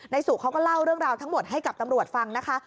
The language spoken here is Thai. สุเขาก็เล่าเรื่องราวทั้งหมดให้กับตำรวจฟังนะคะ